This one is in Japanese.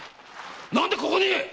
何でここに⁉